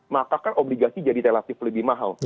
maka kan obligasi jadi relatif lebih mahal